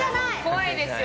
怖いですよ。